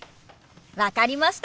分かりました。